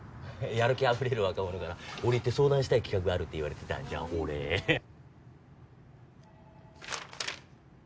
やる気あふれる若者がな折り入って相談したい企画があるって言われてたんじゃん俺ははっ。